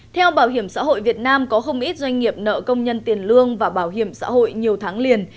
theo bảo hiểm xã hội việt nam có không ít doanh nghiệp nợ công nhân tiền lương và bảo hiểm xã hội nhiều tháng liền